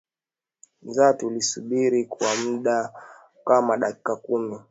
nza tulisubiri kwa mda kama dakika kumi